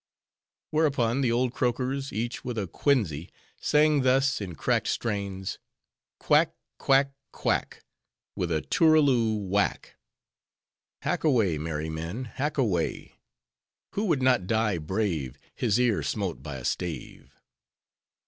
Whereupon, the old croakers, each with a quinsy, sang thus in cracked strains:— Quack! Quack! Quack! With a toorooloo whack; Hack away, merry men, hack away. Who would not die brave, His ear smote by a stave?